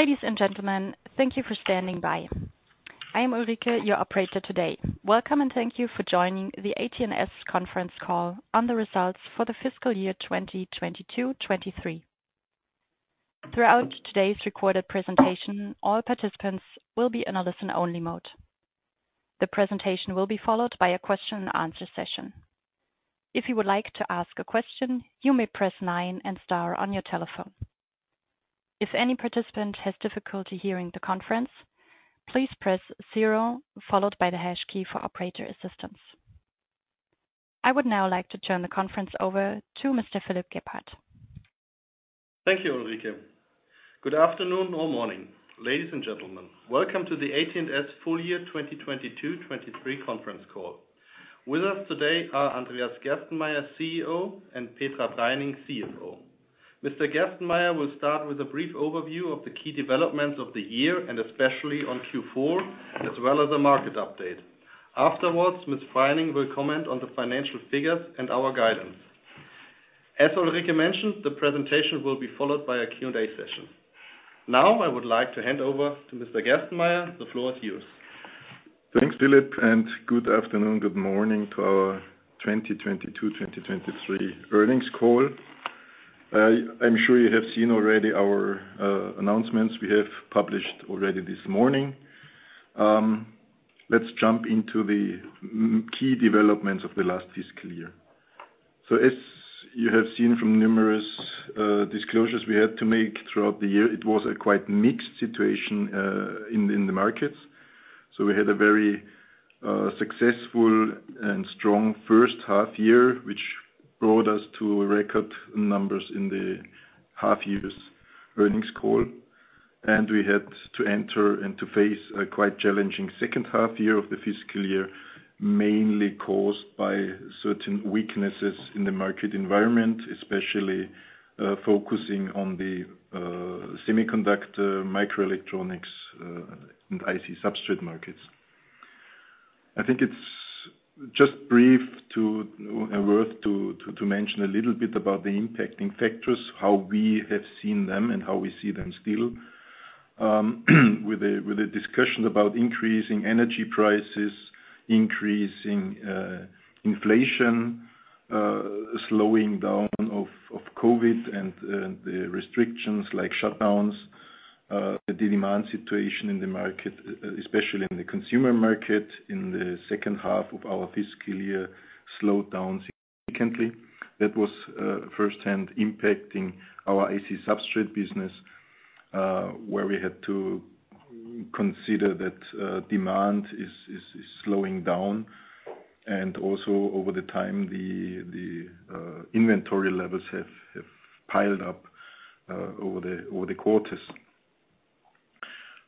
Ladies and gentlemen, thank you for standing by. I am Ulrike, your operator today. Welcome, and thank you for joining the AT&S conference call on the results for the fiscal year 2022, 2023. Throughout today's recorded presentation, all participants will be in a listen-only mode. The presentation will be followed by a question and answer session. If you would like to ask a question, you may press 9 and star on your telephone. If any participant has difficulty hearing the conference, please press 0 followed by the hash key for operator assistance. I would now like to turn the conference over to Mr. Philipp Gebhardt. Thank you, Ulrike. Good afternoon or morning, ladies and gentlemen. Welcome to the AT&S full year 2022, 2023 conference call. With us today are Andreas Gerstenmayer, CEO, and Petra Preining, CFO. Mr. Gerstenmayer will start with a brief overview of the key developments of the year and especially on Q4 as well as a market update. Afterwards, Ms. Preining will comment on the financial figures and our guidance. As Ulrike mentioned, the presentation will be followed by a Q&A session. Now I would like to hand over to Mr. Gerstenmayer. The floor is yours. Thanks, Philipp, good afternoon, good morning to our 2022, 2023 earnings call. I'm sure you have seen already our announcements we have published already this morning. Let's jump into the key developments of the last fiscal year. As you have seen from numerous disclosures we had to make throughout the year, it was a quite mixed situation in the markets. We had a very successful and strong first half year, which brought us to record numbers in the half year's earnings call. We had to enter and to face a quite challenging second half year of the fiscal year, mainly caused by certain weaknesses in the market environment, especially focusing on the semiconductor, Microelectronics, and IC substrate markets. I think it's just brief to and worth to mention a little bit about the impacting factors, how we have seen them and how we see them still. With a discussion about increasing energy prices, increasing inflation, slowing down of COVID and the restrictions like shutdowns, the demand situation in the market, especially in the consumer market in the second half of our fiscal year, slowed down significantly. That was firsthand impacting our IC substrate business, where we had to consider that demand is slowing down. Also over the time the inventory levels have piled up over the quarters.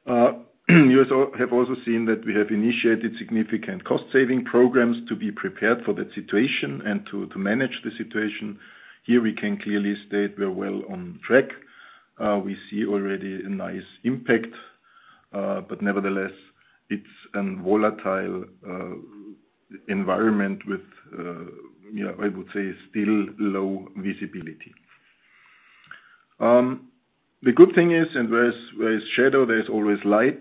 You have also seen that we have initiated significant cost saving programs to be prepared for that situation and to manage the situation. Here we can clearly state we're well on track. We see already a nice impact. Nevertheless it's a volatile environment with, you know, I would say still low visibility. The good thing is, where there's shadow, there's always light.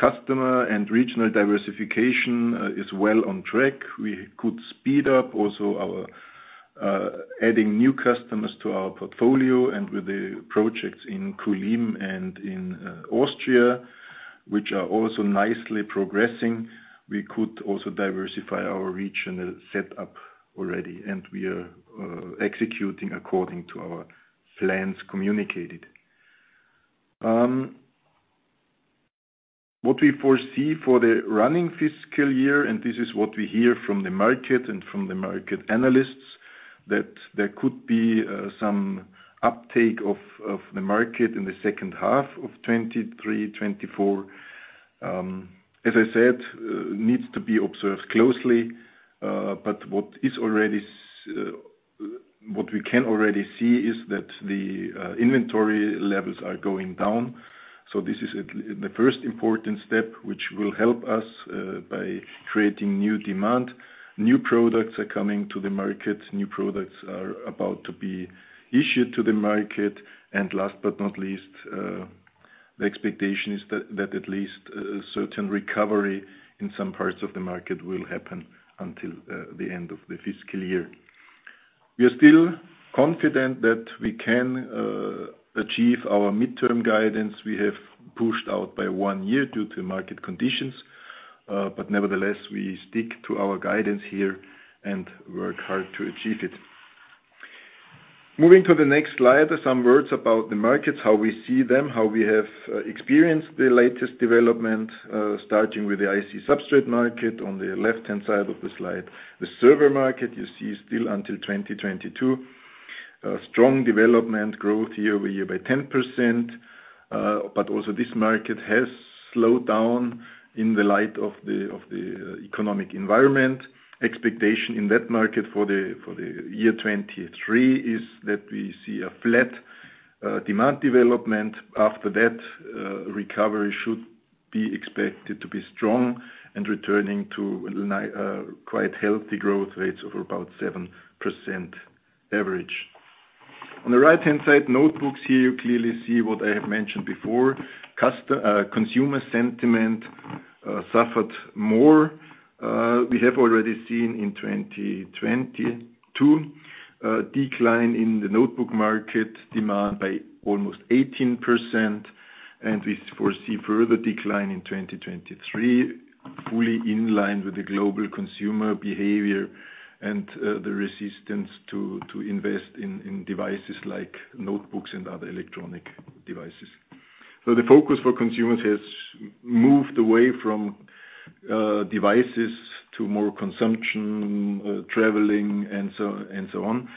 Customer and regional diversification is well on track. We could speed up also our adding new customers to our portfolio and with the projects in Kulim and in Austria, which are also nicely progressing. We could also diversify our regional set up already, we are executing according to our plans communicated. What we foresee for the running fiscal year, this is what we hear from the market and from the market analysts, that there could be some uptake of the market in the second half of 2023, 2024. As I said, needs to be observed closely. What we can already see is that the inventory levels are going down. This is the first important step, which will help us by creating new demand. New products are coming to the market. New products are about to be issued to the market. Last but not least, the expectation is that at least a certain recovery in some parts of the market will happen until the end of the fiscal year. We are still confident that we can achieve our midterm guidance we have pushed out by one year due to market conditions. Nevertheless, we stick to our guidance here and work hard to achieve it. Moving to the next slide, some words about the markets, how we see them, how we have experienced the latest development, starting with the IC substrate market on the left-hand side of the slide. The server market you see still until 2022. Strong development growth year-over-year by 10%. But also this market has slowed down in the light of the economic environment. Expectation in that market for the year 2023 is that we see a flat demand development. After that, recovery should be expected to be strong and returning to quite healthy growth rates of about 7%. Average. On the right-hand side, notebooks here, you clearly see what I have mentioned before. Consumer sentiment suffered more. We have already seen in 2022 a decline in the notebook market demand by almost 18%. We foresee further decline in 2023, fully in line with the global consumer behavior and the resistance to invest in devices like notebooks and other electronic devices. The focus for consumers has moved away from devices to more consumption, traveling, and so, and so on.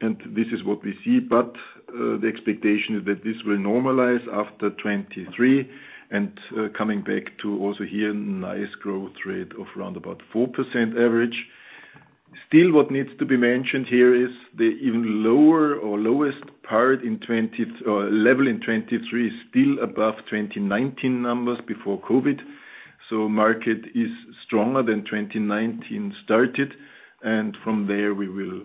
This is what we see, but the expectation is that this will normalize after 2023 and coming back to also here, nice growth rate of round about 4% average. What needs to be mentioned here is the even lower or lowest level in 2023 is still above 2019 numbers before COVID. Market is stronger than 2019 started, and from there, we will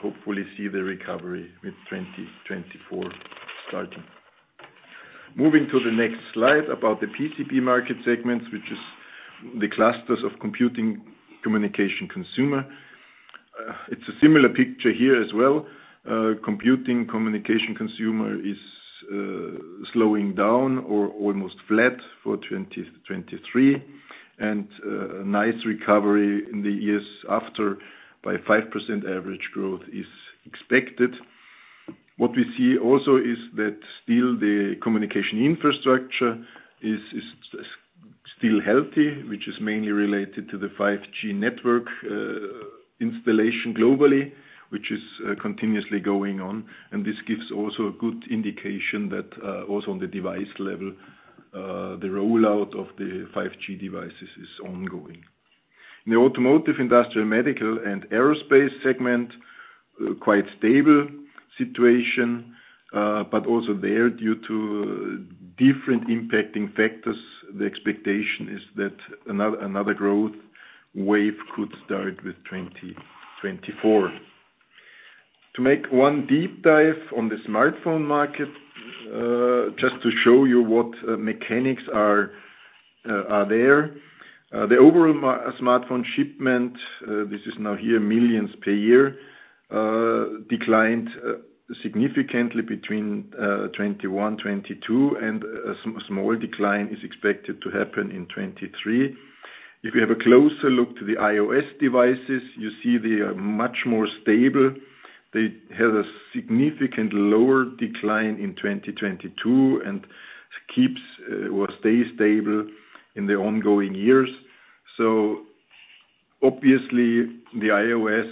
hopefully see the recovery with 2024 starting. Moving to the next slide about the PCB market segments, which is the clusters of computing communication consumer. It's a similar picture here as well. Computing communication consumer is slowing down or almost flat for 2023, and a nice recovery in the years after by 5% average growth is expected. What we see also is that still the communication infrastructure is still healthy, which is mainly related to the 5G network installation globally, which is continuously going on. This gives also a good indication that also on the device level, the rollout of the 5G devices is ongoing. In the automotive, industrial, medical, and aerospace segment, quite stable situation, but also there, due to different impacting factors, the expectation is that another growth wave could start with 2024. To make one deep dive on the smartphone market, just to show you what mechanics are there. The overall smartphone shipment, this is now here millions per year, declined significantly between 2021, 2022 and a small decline is expected to happen in 2023. If you have a closer look to the iOS devices, you see they are much more stable. They had a significant lower decline in 2022 and keeps, or stay stable in the ongoing years. Obviously the iOS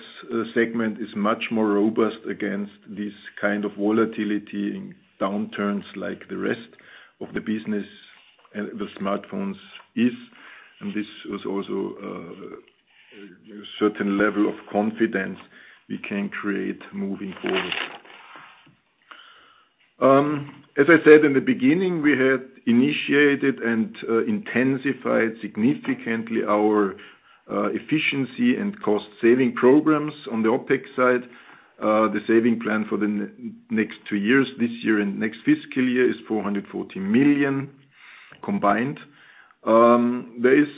segment is much more robust against this kind of volatility in downturns like the rest of the business and the smartphones is. This was also a certain level of confidence we can create moving forward. As I said in the beginning, we had initiated and intensified significantly our efficiency and cost saving programs on the OpEx side. The saving plan for the next two years, this year and next fiscal year, is 440 million combined. There is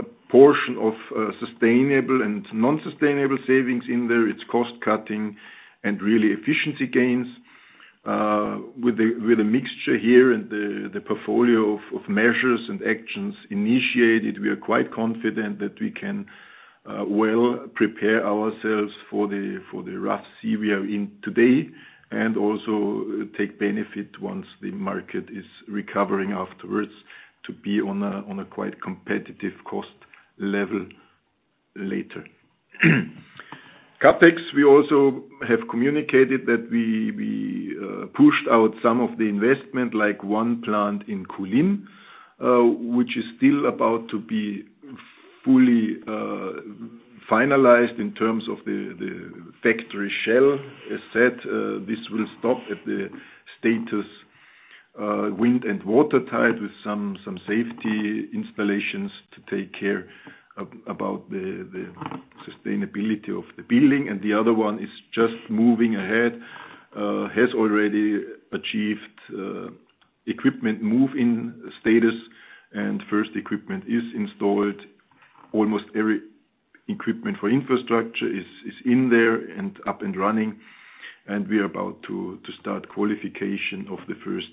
a portion of sustainable and non-sustainable savings in there. It's cost cutting and really efficiency gains. With a mixture here and the portfolio of measures and actions initiated, we are quite confident that we can well prepare ourselves for the rough sea we are in today and also take benefit once the market is recovering afterwards to be on a quite competitive cost level later. CapEx, we also have communicated that we pushed out some of the investment, like one plant in Kulim, which is still about to be fully finalized in terms of the factory shell. As said, this will stop at the status wind and watertight with some safety installations to take care about the sustainability of the building. The other one is just moving ahead, has already achieved equipment move-in status, and first equipment is installed. Almost every equipment for infrastructure is in there and up and running, and we are about to start qualification of the first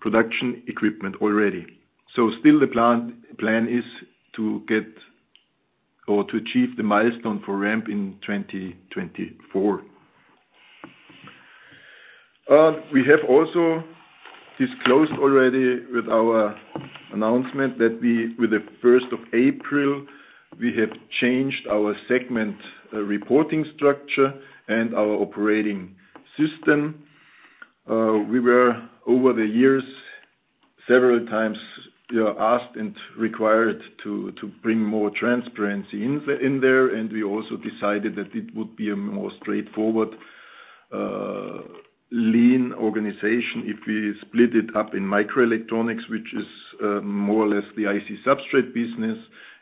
production equipment already. Still the plan is to get or to achieve the milestone for ramp in 2024. We have also disclosed already with our announcement that we, with the 1st of April, we have changed our segment reporting structure and our operating system. We were over the years, several times, asked and required to bring more transparency in there, and we also decided that it would be a more straightforward lean organization. If we split it up in Microelectronics, which is more or less the IC substrate business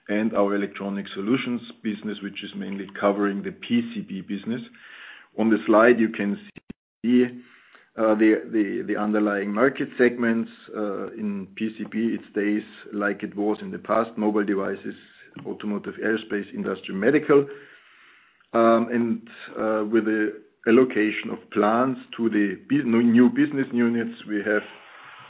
and our Electronics Solutions business, which is mainly covering the PCB business. On the slide, you can see the underlying market segments in PCB. It stays like it was in the past, mobile devices, automotive, aerospace, industrial, medical. With the allocation of plans to the new business units, we have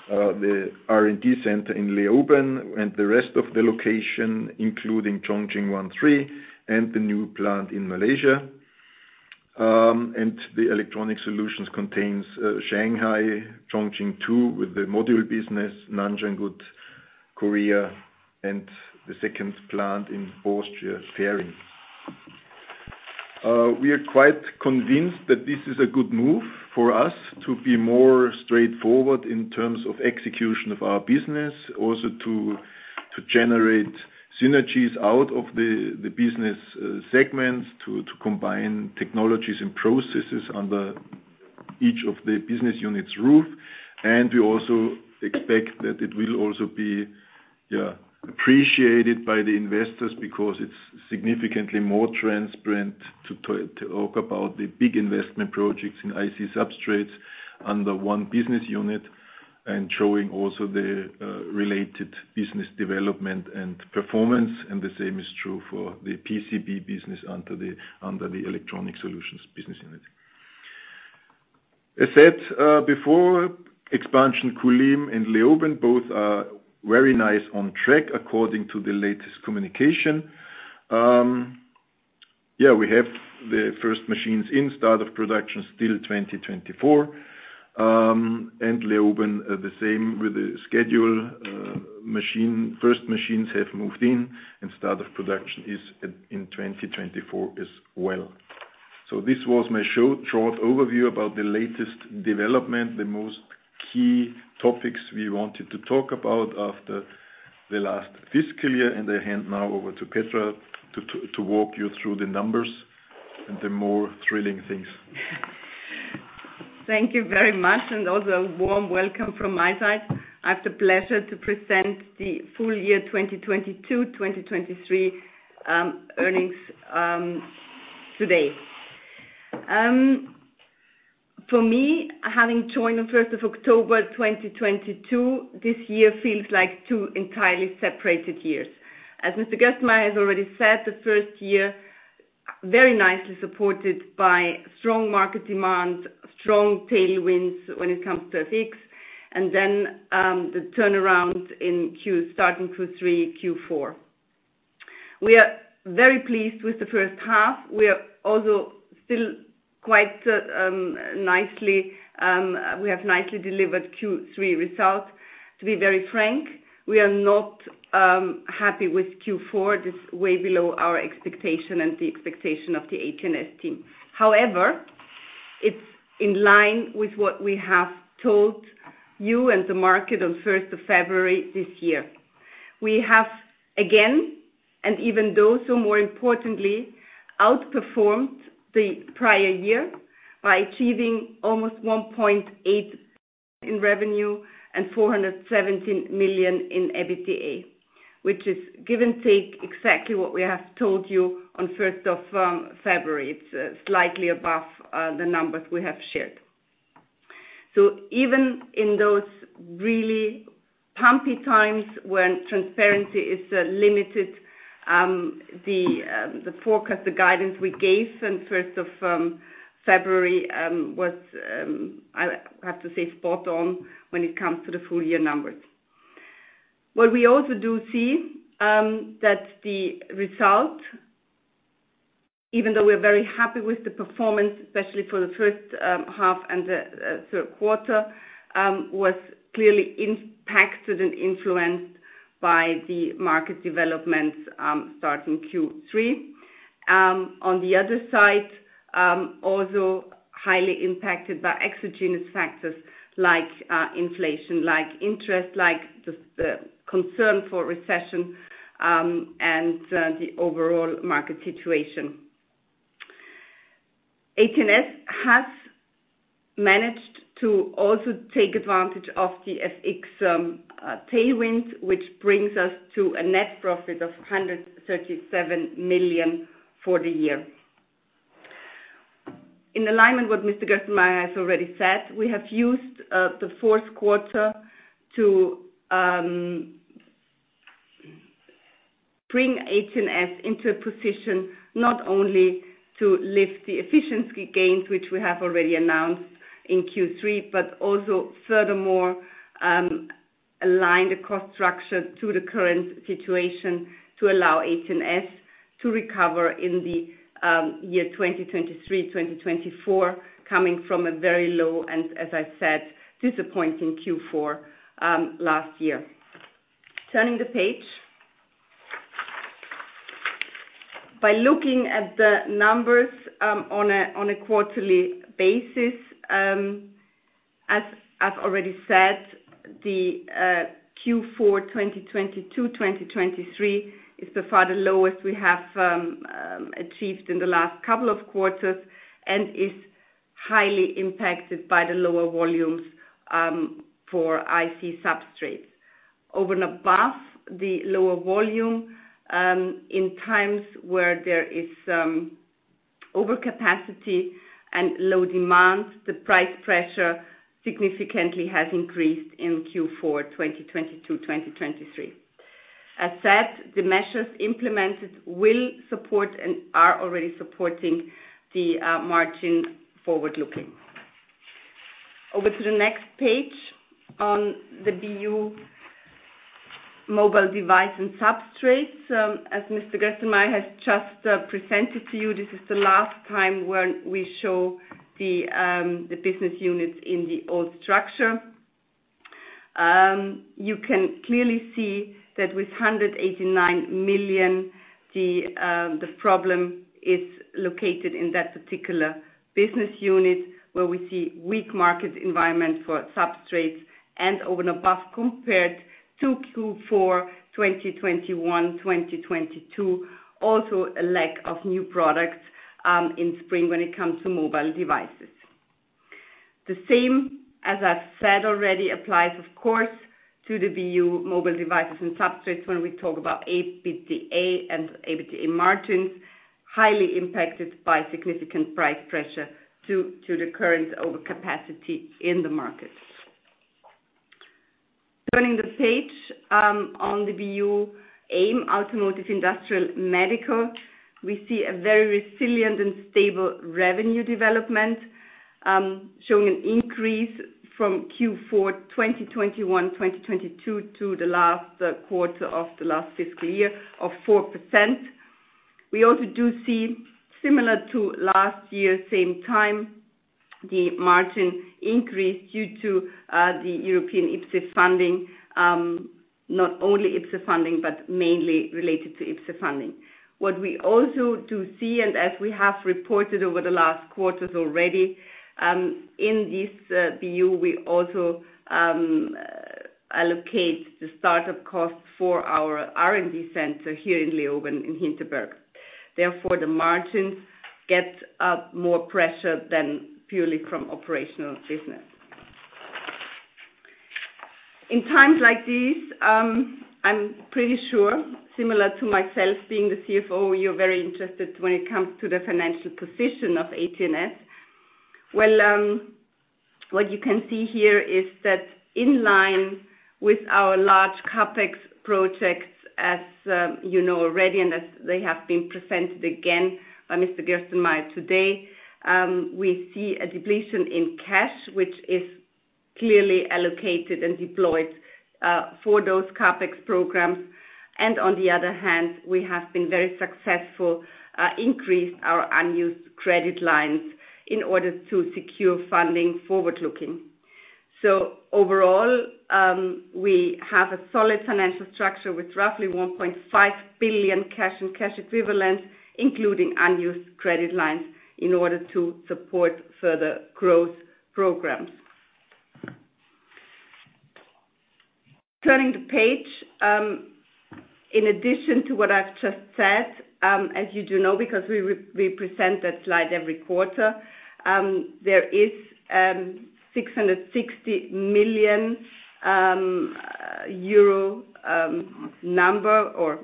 the R&D center in Leoben and the rest of the location, including Chongqing 1, 3, and the new plant in Malaysia. The Electronics Solutions contains Shanghai, Chongqing 2 with the module business, Nanjangud, Korea, and the second plant in Austria, Fehring. We are quite convinced that this is a good move for us to be more straightforward in terms of execution of our business. To generate synergies out of the business segments to combine technologies and processes under each of the business units roof. We also expect that it will also be appreciated by the investors because it's significantly more transparent to talk about the big investment projects in IC substrates under one business unit and showing also the related business development and performance. The same is true for the PCB business under the Electronics Solutions business unit. I said before expansion Kulim and Leoben both are very nice on track according to the latest communication. We have the first machines in start of production still 2024. And Leoben, the same with the schedule. First machines have moved in and start of production is in 2024 as well. This was my short overview about the latest development, the most key topics we wanted to talk about after the last fiscal year. I hand now over to Petra to walk you through the numbers and the more thrilling things. Thank you very much and also a warm welcome from my side. I have the pleasure to present the full year 2022, 2023 earnings today. For me, having joined on 1st of October, 2022, this year feels like two entirely separated years. As Mr. Gerstenmayer has already said, the 1st year very nicely supported by strong market demand, strong tailwinds when it comes to FX, and then the turnaround starting Q3, Q4. We are very pleased with the 1st half. We are also still quite nicely, we have nicely delivered Q3 results. To be very frank, we are not happy with Q4. It is way below our expectation and the expectation of the AT&S team. It's in line with what we have told you and the market on 1st of February this year. We have, again, even though, so more importantly, outperformed the prior year by achieving almost 1.8 [inaudible] in revenue and 417 million in EBITDA. Which is give and take exactly what we have told you on 1st of February. It's slightly above the numbers we have shared. Even in those really bumpy times when transparency is limited, the forecast, the guidance we gave since 1st of February was, I have to say, spot on when it comes to the full year numbers. What we also do see that the result, even though we're very happy with the performance, especially for the first half and the third quarter, was clearly impacted and influenced by the market developments starting Q3. On the other side, also highly impacted by exogenous factors like inflation, like interest, like the concern for recession, and the overall market situation. AT&S has managed to also take advantage of the FX tailwind, which brings us to a net profit of 137 million for the year. In alignment with Mr. Gerstenmayer has already said, we have used the fourth quarter to bring AT&S into a position not only to lift the efficiency gains, which we have already announced in Q3, but also furthermore, align the cost structure to the current situation to allow AT&S to recover in the year 2023, 2024, coming from a very low, and as I said, disappointing Q4, last year. Turning the page. By looking at the numbers on a quarterly basis. As already said, the Q4 2022, 2023 is by far the lowest we have achieved in the last couple of quarters and is highly impacted by the lower volumes for IC substrates. Over and above the lower volume, in times where there is overcapacity and low demand, the price pressure significantly has increased in Q4 2022, 2023. As said, the measures implemented will support and are already supporting the margin forward looking. Over to the next page on the BU Mobile Devices & Substrates. As Mr. Gerstenmayer has just presented to you, this is the last time when we show the business units in the old structure. You can clearly see that with 189 million, the problem is located in that particular business unit where we see weak market environment for substrates and over and above, compared to Q4 2021, 2022, also a lack of new products in spring when it comes to mobile devices. The same, as I've said already, applies of course to the BU Mobile Devices and Substrates when we talk about EBITA and EBITA margins, highly impacted by significant price pressure due to the current overcapacity in the market. Turning the page on the BU AIM, Automotive, Industrial, Medical, we see a very resilient and stable revenue development, showing an increase from Q4, 2021, 2022 to the last quarter of the last fiscal year of 4%. We also do see, similar to last year same time, the margin increase due to the European IPCEI funding, not only IPCEI funding, but mainly related to IPCEI funding. What we also do see, as we have reported over the last quarters already, in this BU, we also allocate the start of costs for our R&D center here in Leoben, in Hinterberg. Therefore, the margins get more pressure than purely from operational business. In times like these, I'm pretty sure, similar to myself being the CFO, you're very interested when it comes to the financial position of AT&S. Well, what you can see here is that in line with our large CapEx projects, as you know already, and as they have been presented again by Mr. Gerstenmayer today, we see a depletion in cash, which is clearly allocated and deployed for those CapEx programs. On the other hand, we have been very successful increase our unused credit lines in order to secure funding forward looking. Overall, we have a solid financial structure with roughly 1.5 billion cash and cash equivalents, including unused credit lines in order to support further growth programs. Turning the page, in addition to what I've just said, as you do know, because we present that slide every quarter, there is 660 million euro number or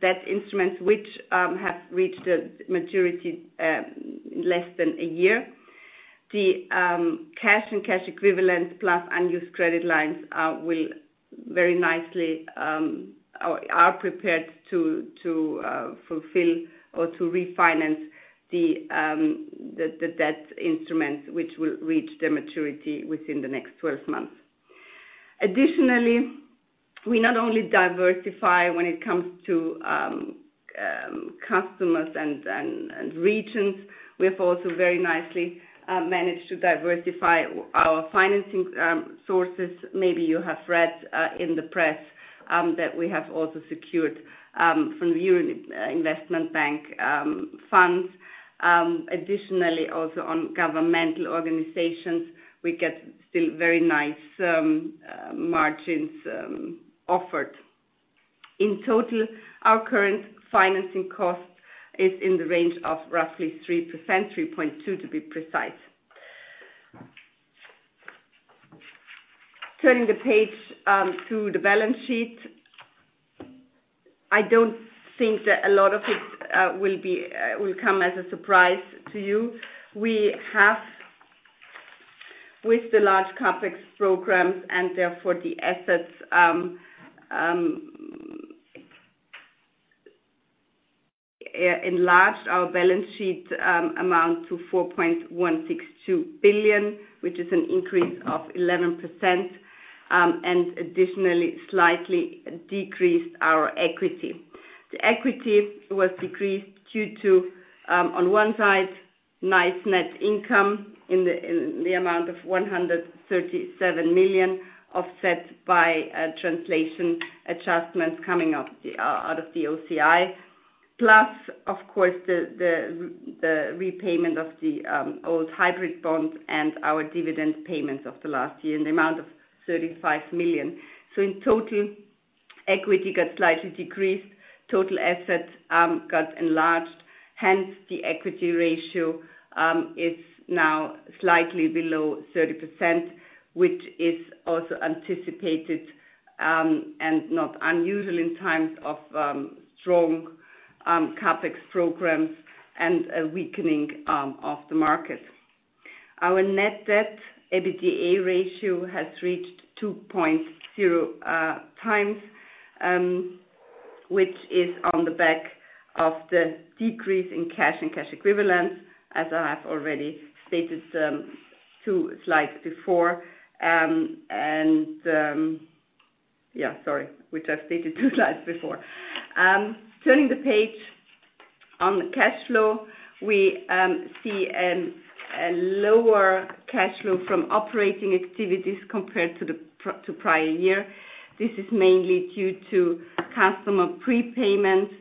debt instruments which have reached a maturity less than one year. The cash and cash equivalents plus unused credit lines will very nicely or are prepared to fulfill or to refinance the debt instruments, which will reach their maturity within the next 12 months. Additionally, we not only diversify when it comes to customers and regions, we have also very nicely managed to diversify our financing sources. Maybe you have read in the press that we have also secured from the European Investment Bank funds. Additionally, also on governmental organizations, we get still very nice margins offered. In total, our current financing cost is in the range of roughly 3%, 3.2% to be precise. Turning the page to the balance sheet. I don't think that a lot of it will be, will come as a surprise to you. We have, with the large CapEx programs, and therefore the assets enlarged our balance sheet amount to 4.162 billion, which is an increase of 11%, and additionally, slightly decreased our equity. The equity was decreased due to on one side, nice net income in the amount of 137 million, offset by translation adjustments coming out of the OCI. Plus, of course, the repayment of the old hybrid bonds and our dividend payments of the last year in the amount of 35 million. In total, equity got slightly decreased, total assets got enlarged. The equity ratio is now slightly below 30%, which is also anticipated and not unusual in times of strong CapEx programs and a weakening of the market. Our Net Debt to EBITDA ratio has reached 2.0 times, which is on the back of the decrease in cash and cash equivalents, as I have already stated two slides before. Turning the page on the cash flow, we see a lower cash flow from operating activities compared to prior year. This is mainly due to customer prepayments.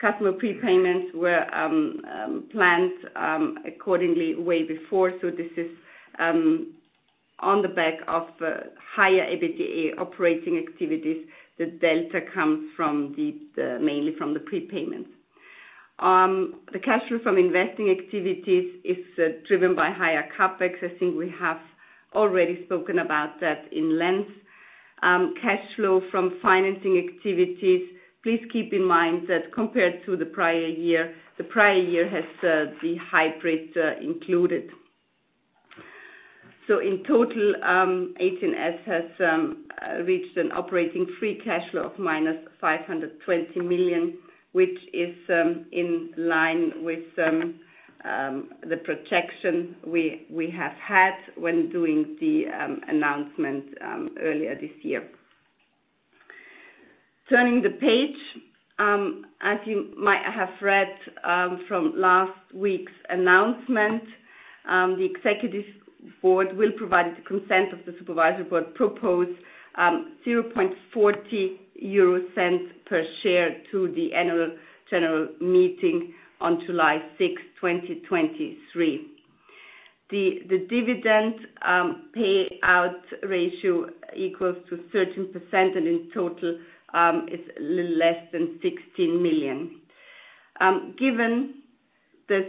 Customer prepayments were planned accordingly way before. This is on the back of higher EBITDA operating activities. The delta comes mainly from the prepayments. The cash flow from investing activities is driven by higher CapEx. I think we have already spoken about that in length. Cash flow from financing activities, please keep in mind that compared to the prior year, the prior year has the hybrid included. In total, AT&S has reached an operating free cash flow of minus 520 million, which is in line with the projection we have had when doing the announcement earlier this year. Turning the page, as you might have read from last week's announcement, the Executive Board will provide the consent of the Supervisory Board proposed 0.40 per share to the Annual General Meeting on July 6, 2023. The dividend payout ratio equals to 13%, and in total, it's a little less than 16 million. Given this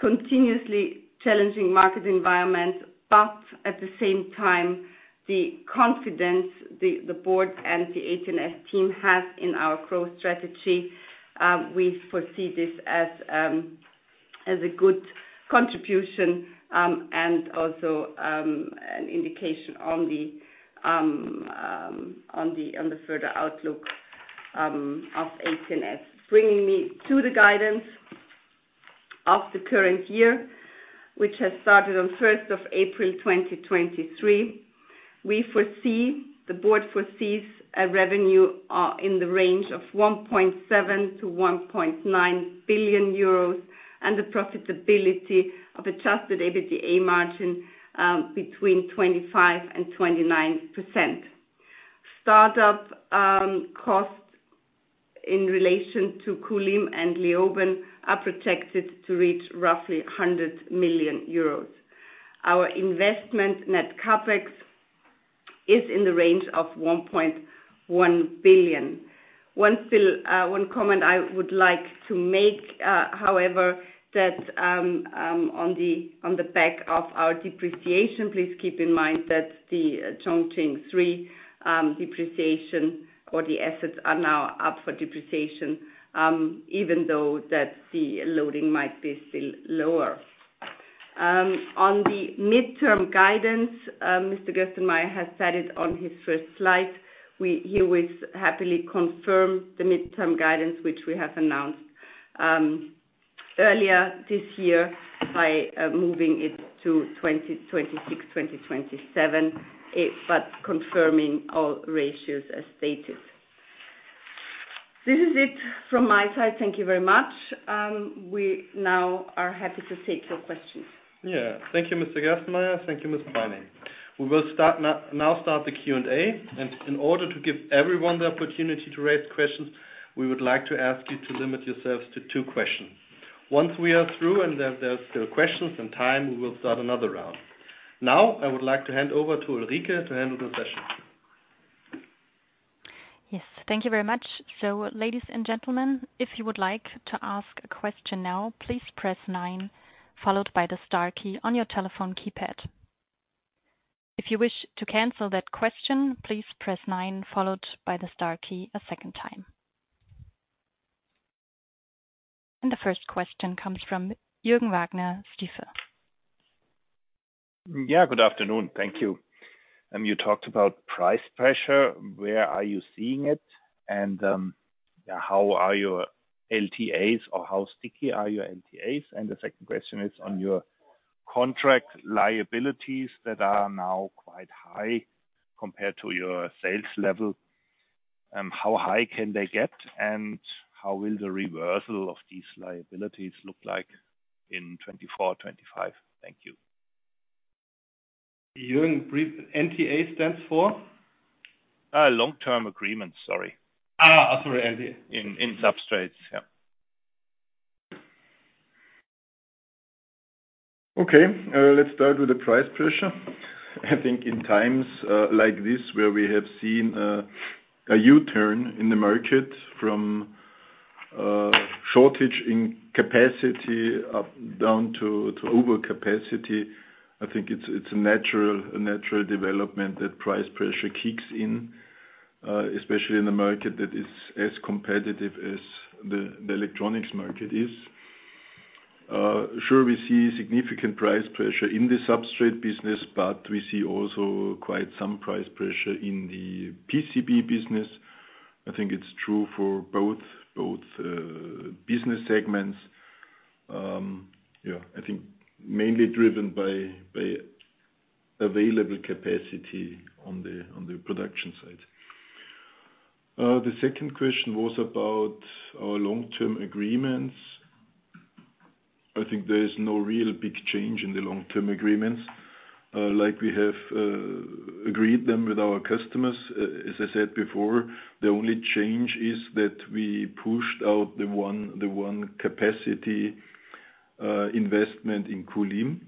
continuously challenging market environment, but at the same time, the confidence the board and the AT&S team has in our growth strategy, we foresee this as a good contribution and also an indication on the further outlook of AT&S. Bringing me to the guidance of the current year, which has started on first of April, 2023. The board foresees a revenue in the range of 1.7 billion-1.9 billion euros and the profitability of adjusted EBITDA margin between 25% and 29%. Start-up costs in relation to Kulim and Leoben are projected to reach roughly 100 million euros. Our investment net CapEx is in the range of 1.1 billion. One still, one comment I would like to make, however, that on the back of our depreciation, please keep in mind that the Chongqing 3 depreciation or the assets are now up for depreciation, even though that the loading might be still lower. On the midterm guidance, Mr. Gerstenmayer has said it on his first slide. He will happily confirm the midterm guidance which we have announced earlier this year by moving it to 2026, 2027, but confirming all ratios as stated. This is it from my side. Thank you very much. We now are happy to take your questions. Yeah. Thank you, Mr. Gerstenmayer. Thank you, Ms. Preining. We will now start the Q&A. In order to give everyone the opportunity to raise questions, we would like to ask you to limit yourselves to two questions. Once we are through and there's still questions and time, we will start another round. I would like to hand over to Ulrike to handle the session. Yes. Thank you very much. Ladies and gentlemen, if you would like to ask a question now, please press nine, followed by the star key on your telephone keypad. If you wish to cancel that question, please press nine followed by the star key a second time. The first question comes from Jürgen Wagner, Stifel. Yeah, good afternoon. Thank you. You talked about price pressure. Where are you seeing it? Yeah, how are your LTAs or how sticky are your LTAs? The second question is on your contract liabilities that are now quite high compared to your sales level. How high can they get, and how will the reversal of these liabilities look like in 2024, 2025? Thank you. Jürgen brief NTA stands for? Long term agreement. Sorry. Sorry. LTA. In substrates. Yeah. Okay. Let's start with the price pressure. I think in times like this, where we have seen a U-turn in the market from shortage in capacity down to overcapacity. I think it's a natural development that price pressure kicks in especially in a market that is as competitive as the electronics market is. Sure, we see significant price pressure in the substrate business, but we see also quite some price pressure in the PCB business. I think it's true for both business segments. Yeah, I think mainly driven by available capacity on the production side. The second question was about our long-term agreements. I think there is no real big change in the long-term agreements. Like we have agreed them with our customers, as I said before, the only change is that we pushed out the one capacity investment in Kulim.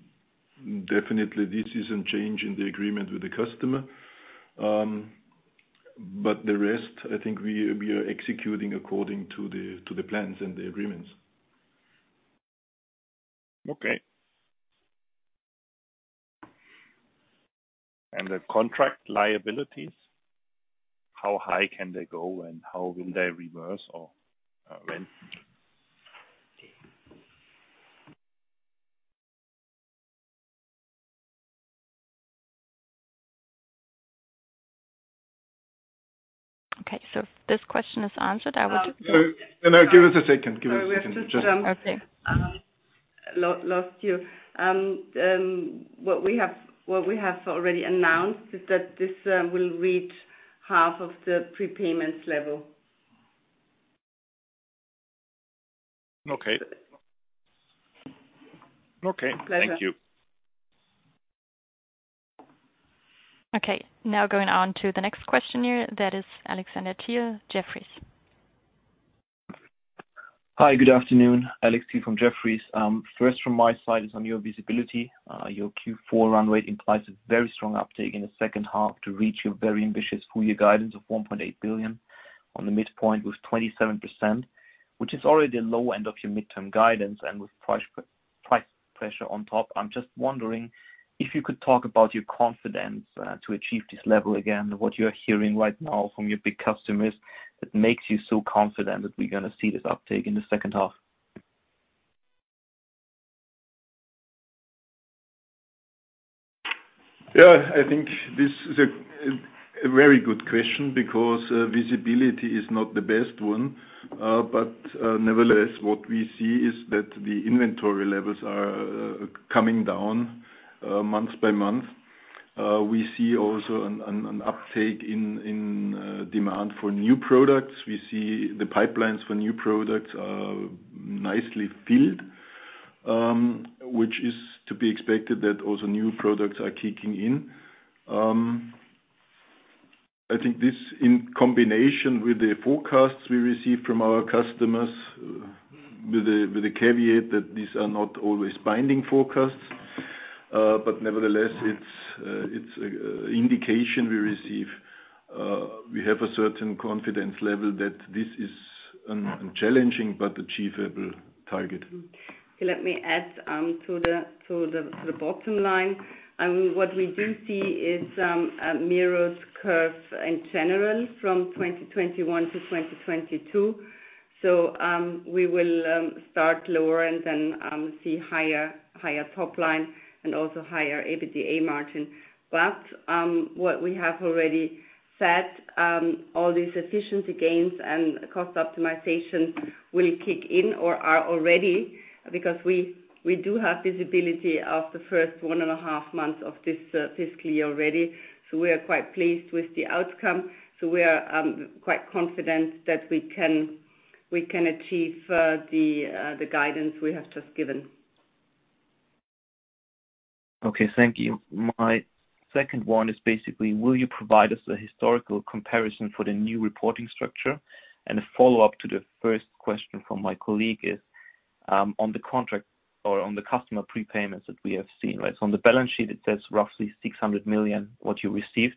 Definitely this is a change in the agreement with the customer. The rest, I think we are executing according to the plans and the agreements. Okay. The contract liabilities, how high can they go and how will they reverse or when? Okay. This question is answered. No, give us a second. Okay. Lost you. What we have already announced is that this will reach half of the prepayments level. Okay. Okay. Thank you. Okay, now going on to the next question here. That is Alexander Thiel, Jefferies. Hi, good afternoon, Alex Thiel from Jefferies. First from my side is on your visibility. Your Q4 run rate implies a very strong uptake in the second half to reach your very ambitious full year guidance of 1.8 billion on the midpoint with 27%, which is already low end of your midterm guidance and with price pressure on top. I'm just wondering if you could talk about your confidence to achieve this level again, what you're hearing right now from your big customers that makes you so confident that we're gonna see this uptake in the second half? Yeah, I think this is a very good question because visibility is not the best one. Nevertheless, what we see is that the inventory levels are coming down month by month. We see also an uptake in demand for new products. We see the pipelines for new products are nicely filled, which is to be expected that also new products are kicking in. I think this in combination with the forecasts we receive from our customers with a caveat that these are not always binding forecasts, but nevertheless, it's a indication we receive. We have a certain confidence level that this is an challenging but achievable target. Let me add to the bottom line. What we do see is a mirrors curve in general from 2021 to 2022. We will start lower and then see higher top line and also higher EBITDA margin. What we have already said, all these efficiency gains and cost optimization will kick in or are already because we do have visibility of the first one and a half months of this fiscal year already. We are quite pleased with the outcome. We are quite confident that we can achieve the guidance we have just given. Okay. Thank you. My second one is basically, will you provide us a historical comparison for the new reporting structure? A follow-up to the first question from my colleague is on the contract or on the customer prepayments that we have seen, right? On the balance sheet, it says roughly 600 million what you received.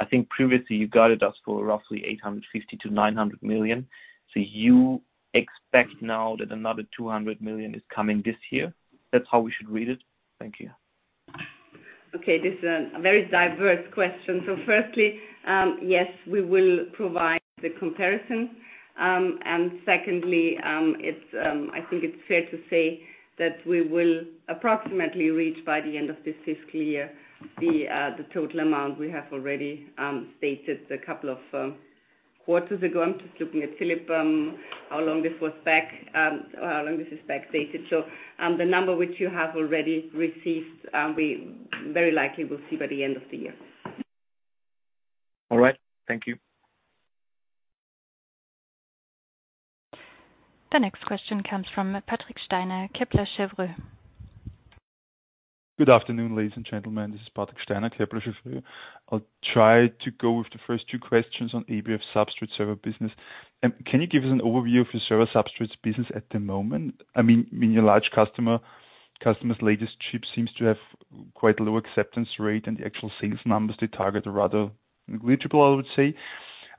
I think previously you guided us for roughly 850 million-900 million. You expect now that another 200 million is coming this year? That's how we should read it. Thank you. Okay. This is a very diverse question. Firstly, yes, we will provide the comparison. Secondly, it's, I think it's fair to say that we will approximately reach by the end of this fiscal year the total amount we have already stated a couple of quarters ago. I'm just looking at Philipp, how long this was back, how long this is backdated. The number which you have already received, we very likely will see by the end of the year. All right. Thank you. The next question comes from Patrick Steiner, Kepler Cheuvreux. Good afternoon, ladies and gentlemen. This is Patrick Steiner, Kepler Cheuvreux. I'll try to go with the first two questions on ABF substrate server business. Can you give us an overview of your server substrates business at the moment? I mean, your large customer's latest chip seems to have quite low acceptance rate, and the actual sales numbers they target are rather negligible, I would say.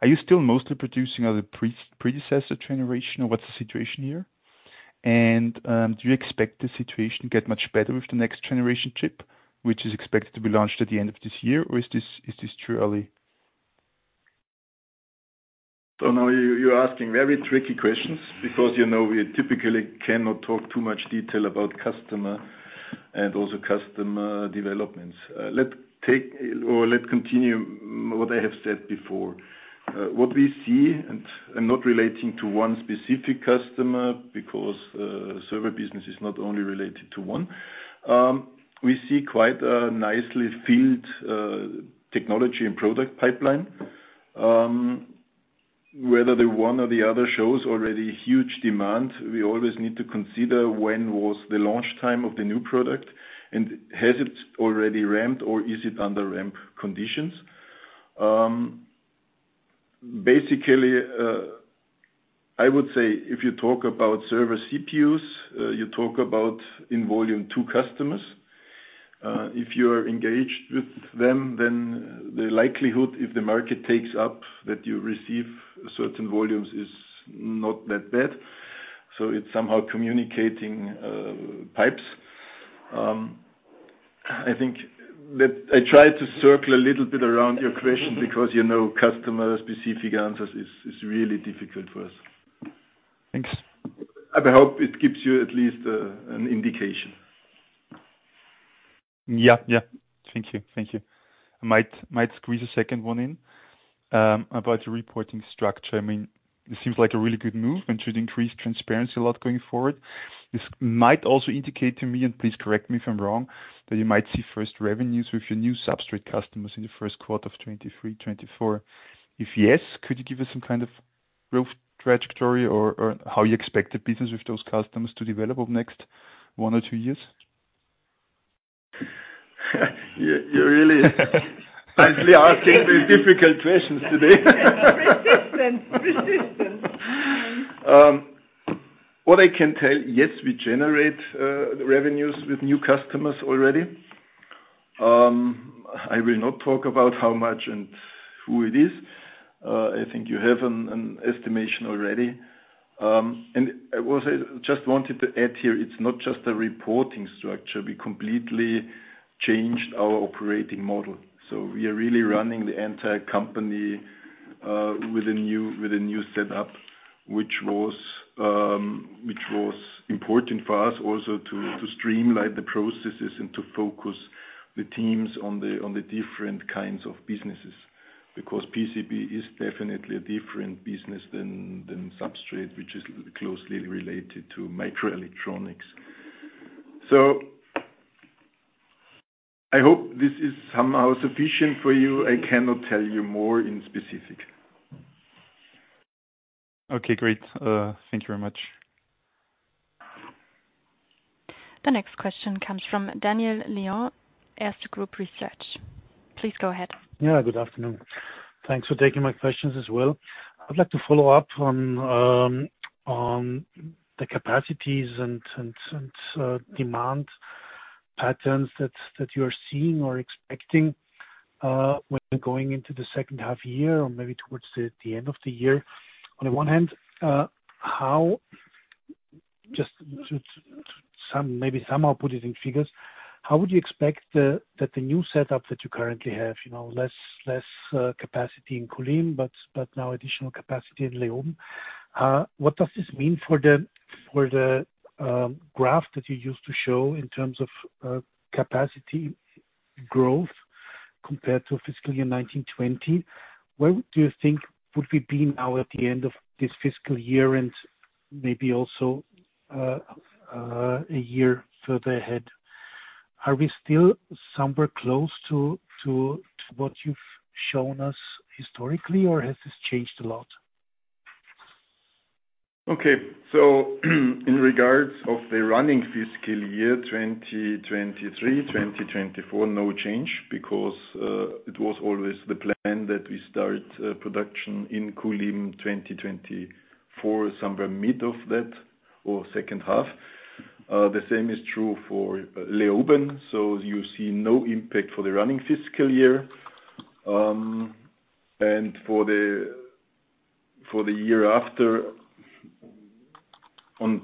Are you still mostly producing as a predecessor generation or what's the situation here? Do you expect the situation to get much better with the next generation chip, which is expected to be launched at the end of this year? Or is this too early? Now you're asking very tricky questions because, you know, we typically cannot talk too much detail about customer and also customer developments. Let take or let continue what I have said before. What we see, and I'm not relating to one specific customer because, server business is not only related to one. We see quite a nicely filled technology and product pipeline. Whether the one or the other shows already huge demand, we always need to consider when was the launch time of the new product and has it already ramped or is it under ramp conditions. Basically, I would say if you talk about server CPUs, you talk about in volume two customers. If you're engaged with them, then the likelihood, if the market takes up, that you receive certain volumes is not that bad. It's somehow communicating, pipes. I think that I tried to circle a little bit around your question because, you know, customer specific answers is really difficult for us. Thanks. I hope it gives you at least an indication. Yeah. Yeah. Thank you. Thank you. I might squeeze a second one in about the reporting structure. I mean, it seems like a really good move and should increase transparency a lot going forward. This might also indicate to me, and please correct me if I'm wrong, that you might see first revenues with your new substrate customers in the first quarter of 2023, 2024. If yes, could you give us some kind of growth trajectory or how you expect the business with those customers to develop over the next one or two years? You're kindly asking the difficult questions today. Persistent. Persistent. What I can tell, yes, we generate the revenues with new customers already. I will not talk about how much and who it is. I think you have an estimation already. Just wanted to add here, it's not just a reporting structure. We completely changed our operating model. We are really running the entire company with a new setup, which was important for us also to streamline the processes and to focus the teams on the different kinds of businesses. PCB is definitely a different business than substrate, which is closely related to Microelectronics. I hope this is somehow sufficient for you. I cannot tell you more in specific. Okay, great. Thank you very much. The next question comes from Daniel Lion, Erste Group Research. Please go ahead. Good afternoon. Thanks for taking my questions as well. I'd like to follow up on the capacities and demand patterns that you're seeing or expecting when going into the second half year or maybe towards the end of the year. On the one hand, just to maybe somehow put it in figures. How would you expect that the new setup that you currently have, you know, less capacity in Kulim, but now additional capacity in Leoben? What does this mean for the graph that you used to show in terms of capacity growth compared to fiscal year 2019, 2020? Where do you think would we be now at the end of this fiscal year and maybe also a year further ahead? Are we still somewhere close to what you've shown us historically, or has this changed a lot? Okay. In regards of the running fiscal year 2023-2024, no change because it was always the plan that we start production in Kulim 2024, somewhere mid of that or second half. The same is true for Leoben. You see no impact for the running fiscal year. And for the year after, on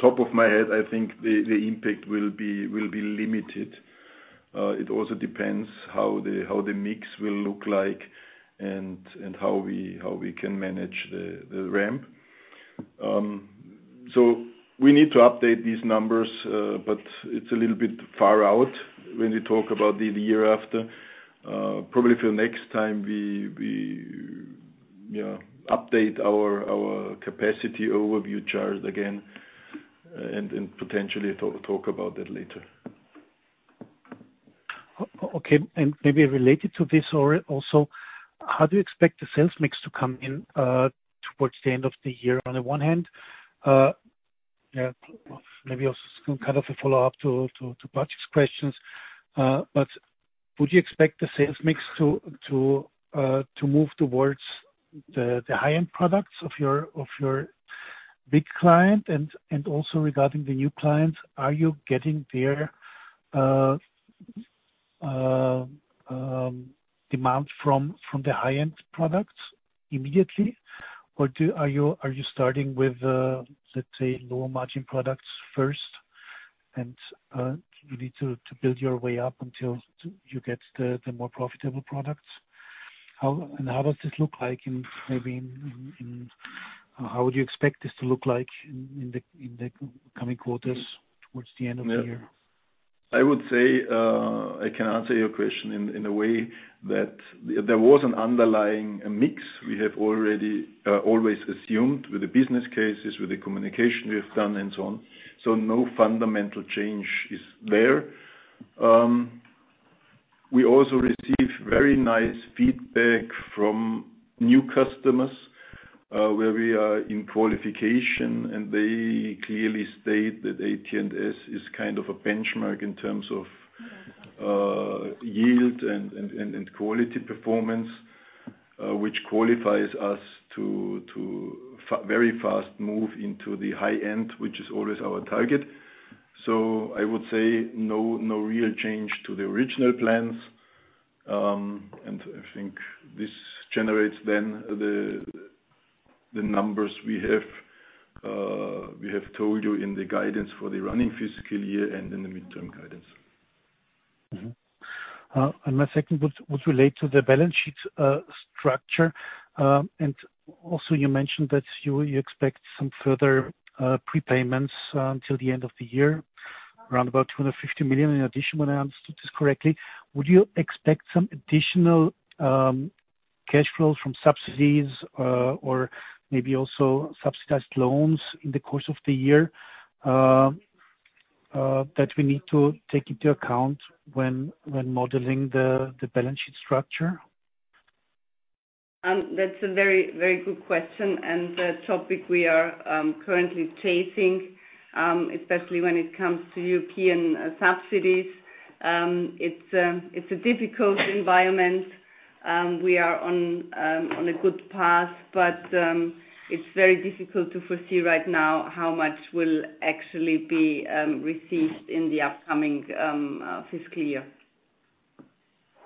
top of my head, I think the impact will be limited. It also depends how the mix will look like and how we can manage the ramp. We need to update these numbers, but it's a little bit far out when we talk about the year after. Probably for next time we, you know, update our capacity overview chart again and potentially talk about that later. Okay. Maybe related to this or also, how do you expect the sales mix to come in towards the end of the year on the one hand? Yeah, maybe also some kind of a follow-up to Patrick's questions. Would you expect the sales mix to move towards the high-end products of your big client? Also regarding the new clients, are you getting their demand from the high-end products immediately, or are you starting with, let's say, lower margin products first, and you need to build your way up until you get the more profitable products? How? How would you expect this to look like in the coming quarters towards the end of the year? I would say, I can answer your question in a way that there was an underlying mix we have already, always assumed with the business cases, with the communication we have done and so on. No fundamental change is there. We also receive very nice feedback from new customers, where we are in qualification, and they clearly state that AT&S is kind of a benchmark in terms of, yield and quality performance, which qualifies us to very fast move into the high end, which is always our target. I would say no real change to the original plans. I think this generates then the numbers we have, we have told you in the guidance for the running fiscal year and in the midterm guidance. My second would relate to the balance sheet structure. Also you mentioned that you expect some further prepayments until the end of the year, around about 250 million in addition, when I understood this correctly. Would you expect some additional cash flows from subsidies or maybe also subsidized loans in the course of the year that we need to take into account when modeling the balance sheet structure? That's a very, very good question, and a topic we are currently chasing, especially when it comes to European subsidies. It's a difficult environment. We are on a good path, but it's very difficult to foresee right now how much will actually be received in the upcoming fiscal year.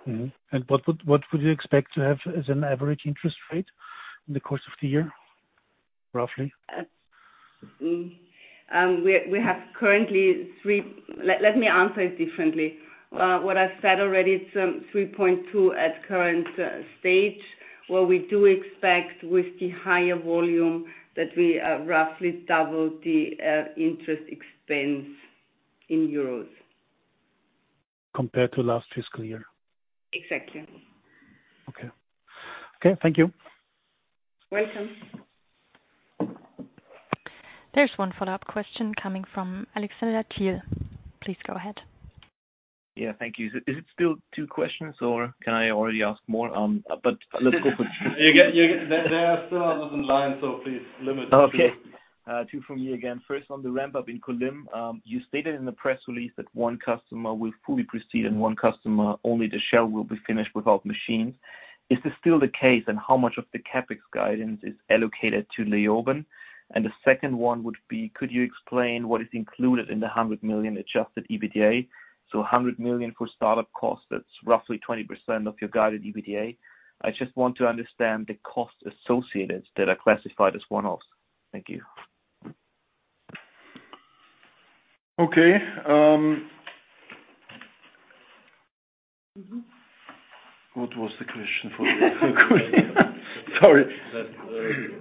Mm-hmm. What would you expect to have as an average interest rate in the course of the year, roughly? Let me answer it differently. What I've said already, it's 3.2 at current stage, where we do expect with the higher volume that we roughly double the interest expense in euros. Compared to last fiscal year? Exactly. Okay. Okay, thank you. Welcome. There's one follow-up question coming from Alexander Thiel. Please go ahead. Yeah, thank you. Is it still two questions, or can I already ask more? Let's go for two. There are still others in line, so please limit it. Okay. Two from me again. First, on the ramp-up in Kulim, you stated in the press release that 1 customer will fully proceed and 1 customer, only the shell will be finished without machines. Is this still the case, and how much of the CapEx guidance is allocated to Leoben? The second one would be, could you explain what is included in the 100 million adjusted EBITDA? 100 million for startup costs, that's roughly 20% of your guided EBITDA. I just want to understand the costs associated that are classified as one-offs. Thank you. Okay. Mm-hmm. What was the question for Kulim? Sorry. That,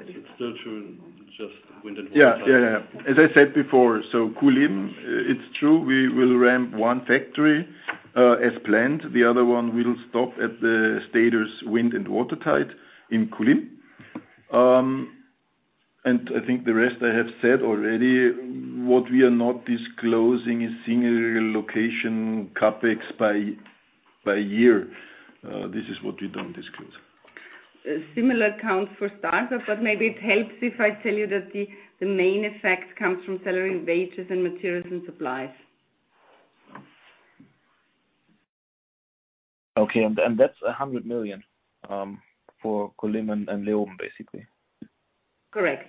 it's still true, just wind and watertight. Yeah, yeah. As I said before, Kulim, it's true, we will ramp one factory as planned. The other one will stop at the status wind and watertight in Kulim. I think the rest I have said already. What we are not disclosing is single location CapEx by year. This is what we don't disclose. Similar accounts for startup, but maybe it helps if I tell you that the main effect comes from salary, wages, and materials and supplies. Okay, and that's 100 million for Kulim and Leoben, basically? Correct.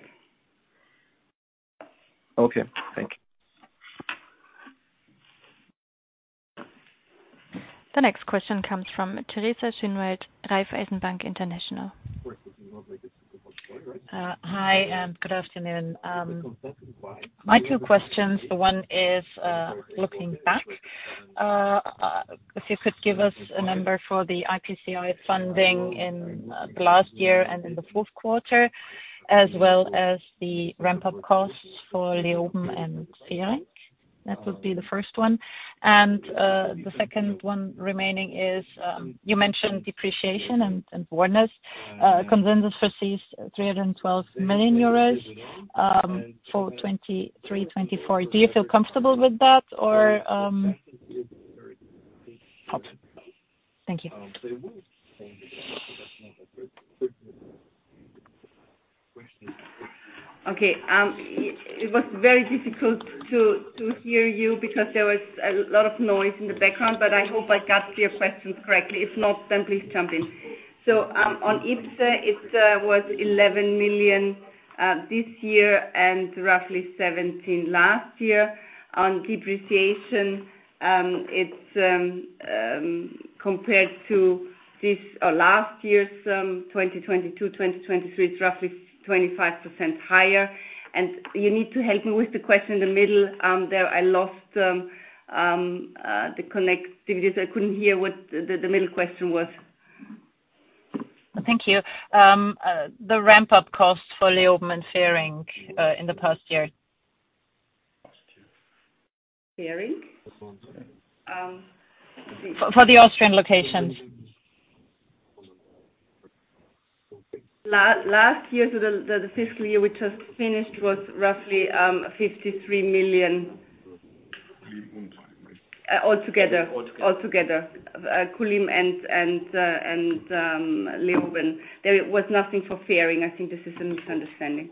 Okay. Thank you. The next question comes from Teresa Schinwald, Raiffeisen Bank International. Hi, and good afternoon. My two questions, one is, looking back, if you could give us a number for the IPCEI funding in the last year and in the fourth quarter, as well as the ramp-up costs for Leoben and Fehring. That would be the first one. The second one remaining is, you mentioned depreciation and one-offs. Consensus receives EUR 312 million for 2023, 2024. Do you feel comfortable with that or? Thank you. Okay. It was very difficult to hear you because there was a lot of noise in the background, but I hope I got your questions correctly. If not, then please jump in. On EPS, it was 11 million this year and roughly 17 million last year. On depreciation, it's compared to this, or last year's, 2022, 2023, it's roughly 25% higher. You need to help me with the question in the middle there. I lost the connectivity, so I couldn't hear what the middle question was. Thank you. The ramp-up costs for Leoben and Fehring in the past year. Fehring? For the Austrian locations. Last year to the fiscal year we just finished was roughly 53 million all together. All together. Kulim and Leoben. There was nothing for Fehring. I think this is a misunderstanding.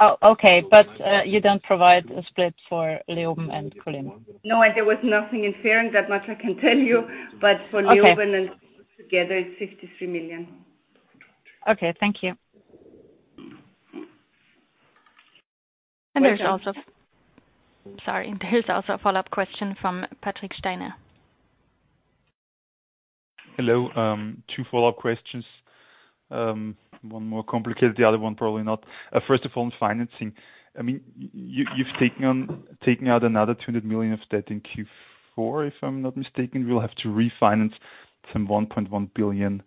Oh, okay. You don't provide a split for Leoben and Kulim? No. There was nothing in Fehring, that much I can tell you. For Leoben- Okay. together, it's 53 million. Okay. Thank you. There's also a follow-up question from Patrick Steiner. Hello. Two follow-up questions. One more complicated, the other one probably not. First of all, on financing. I mean, you've taken out another 200 million of debt in Q4, if I'm not mistaken. We'll have to refinance some 1.1 billion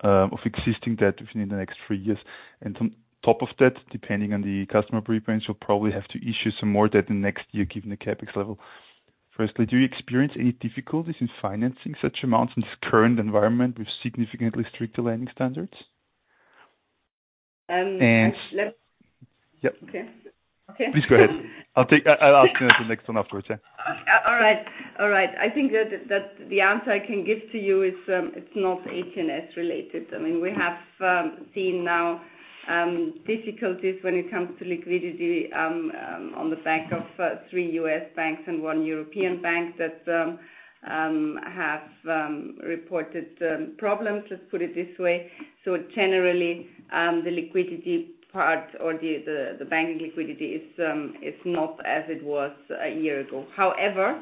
of existing debt within the next three years. On top of that, depending on the customer prepayments, we'll probably have to issue some more debt the next year, given the CapEx level. Firstly, do you experience any difficulties in financing such amounts in this current environment with significantly stricter lending standards? Um, let's- Yep. Okay. Okay. Please go ahead. I'll ask the next one afterwards, yeah. All right. All right. I think that the answer I can give to you is, it's not HNS related. I mean, we have seen now difficulties when it comes to liquidity, on the back of 3 U.S. banks and 1 European bank that have reported problems, let's put it this way. Generally, the liquidity part or the bank liquidity is not as it was a year ago. However,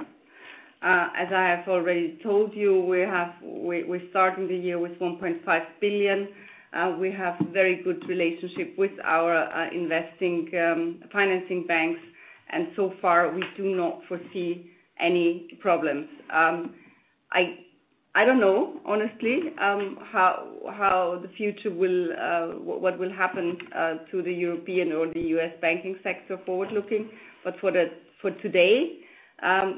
as I have already told you, we're starting the year with 1.5 billion. We have very good relationship with our investing financing banks, and so far we do not foresee any problems. I don't know, honestly, how the future will, what will happen to the European or the U.S. banking sector forward-looking. For today,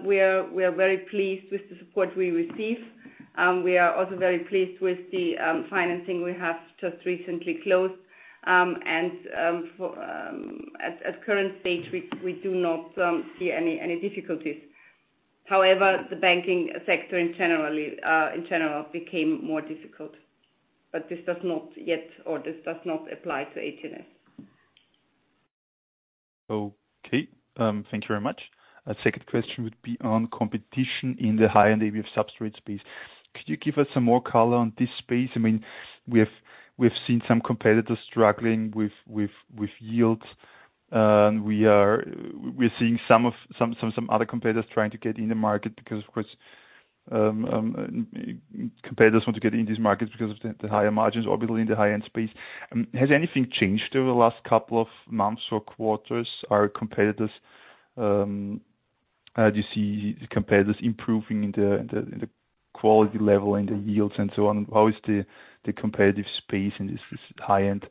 we are very pleased with the support we receive. We are also very pleased with the financing we have just recently closed. For as current state, we do not see any difficulties. However, the banking sector in generally, in general became more difficult. This does not yet, or this does not apply to AT&S. Okay. Thank you very much. Second question would be on competition in the high-end ABF substrate space. Could you give us some more color on this space? I mean, we've seen some competitors struggling with yields. We are, we're seeing some of some other competitors trying to get in the market because, of course, competitors want to get in these markets because of the higher margins available in the high-end space. Has anything changed over the last couple of months or quarters? Are competitors, do you see competitors improving in the quality level and the yields and so on? How is the competitive space in this high-end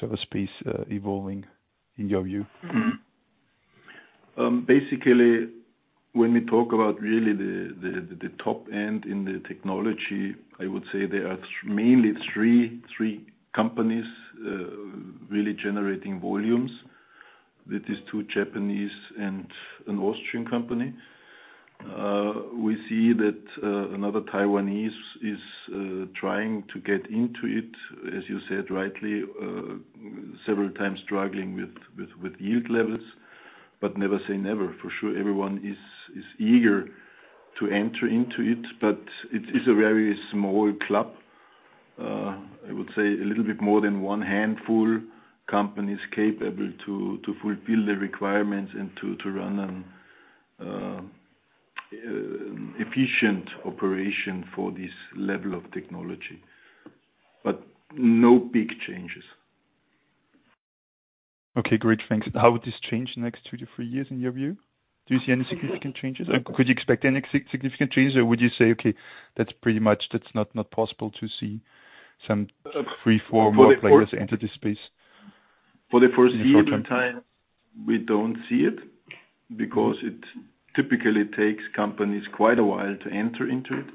server space, evolving in your view? Basically, when we talk about really the top end in the technology, I would say there are mainly three companies really generating volumes. Two Japanese and an Austrian company. We see that another Taiwanese is trying to get into it, as you said rightly, several times struggling with yield levels. Never say never. For sure, everyone is eager to enter into it, but it is a very small club. I would say a little bit more than one handful companies capable to fulfill the requirements and to run an efficient operation for this level of technology. No big changes. Okay. Great. Thanks. How would this change the next two to three years in your view? Do you see any significant changes? Could you expect any significant changes, or would you say, okay, that's pretty much, that's not possible to see some three or four of players enter this space? For the foreseeable time, we don't see it because it typically takes companies quite a while to enter into it.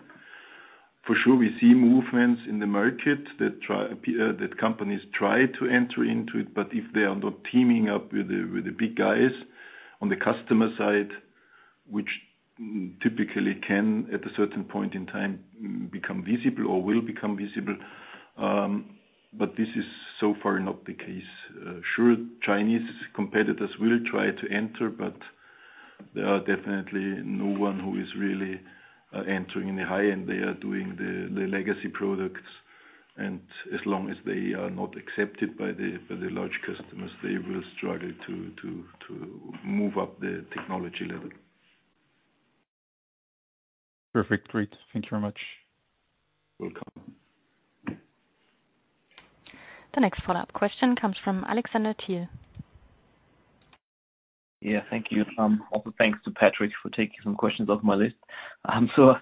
For sure, we see movements in the market that try that companies try to enter into it, but if they are not teaming up with the big guys on the customer side, Typically can, at a certain point in time, become visible or will become visible. This is so far not the case. Sure, Chinese competitors will try to enter, but there are definitely no one who is really entering in the high end. They are doing the legacy products, and as long as they are not accepted by the large customers, they will struggle to move up the technology level. Perfect. Great. Thank you very much. Welcome. The next follow-up question comes from Alexander Thiel. Yeah, thank you. Also thanks to Patrick for taking some questions off my list. So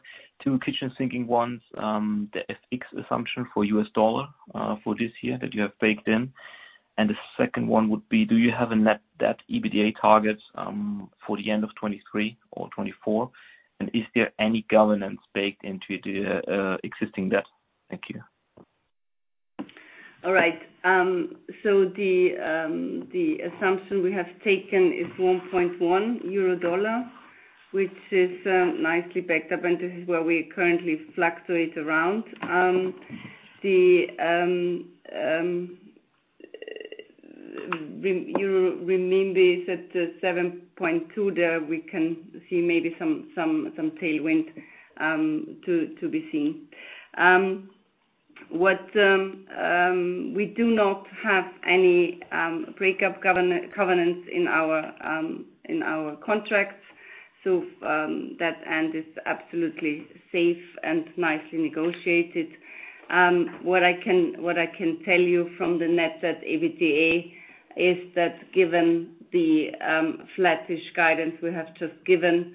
two kitchen sinking ones. The FX assumption for U.S. dollar, for this year that you have baked in. The second one would be, do you have a Net Debt to EBITDA target, for the end of 2023 or 2024? Is there any governance baked into the existing debt? Thank you. All right. The assumption we have taken is EUR 1.1, which is nicely backed up, and this is where we currently fluctuate around. The euro remains at 7.2, there we can see maybe some, some tailwind to be seen. What we do not have any breakup covenants in our in our contracts. That and is absolutely safe and nicely negotiated. What I can tell you from the net debt EBITDA is that given the flattish guidance we have just given,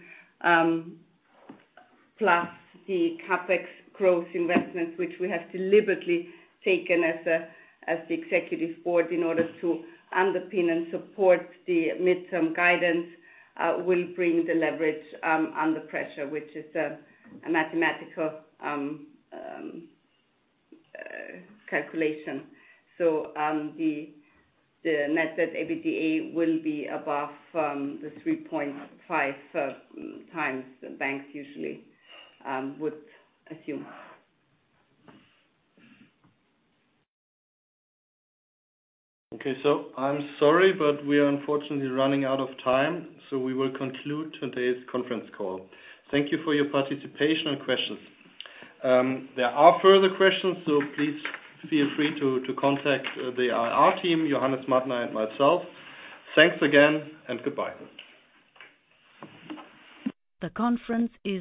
plus the CapEx growth investments, which we have deliberately taken as the executive board in order to underpin and support the mid-term guidance, will bring the leverage under pressure, which is a mathematical calculation. The net debt EBITDA will be above the 3.5 times the banks usually would assume. Okay. I'm sorry, but we are unfortunately running out of time. We will conclude today's conference call. Thank you for your participation and questions. There are further questions, please feel free to contact the IR team, Johannes Mattner and myself. Thanks again. Goodbye. The conference is now